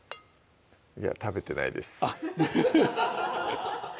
いや食べてないです